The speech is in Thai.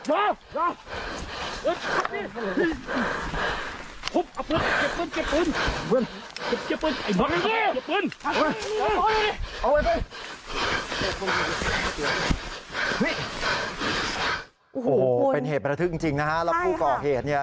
โอ้โหคุณเป็นเหตุประถึงจริงจริงเราพูดก่อเหตุเนี่ย